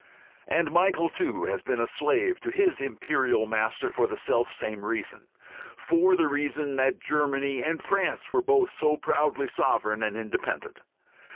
And Michael, too, has been a slave to his imperial master for the self same reason, for the reason that Germany and France were both so proudly sovereign and independent.